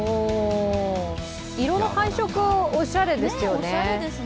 色の配色、おしゃれですよね。